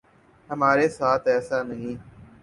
ہمارے ساتھ ایسا نہیں۔